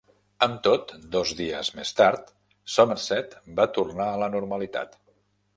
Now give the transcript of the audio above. Amb tot, dos dies més tard, Somerset va tornar a la normalitat.